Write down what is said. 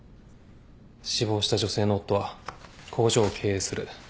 死亡した女性の夫は工場を経営する益野紳祐。